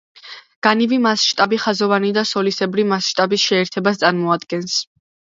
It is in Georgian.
განივი მასშტაბი ხაზოვანი და სოლისებრი მასშტაბის შეერთებას წარმოადგენს.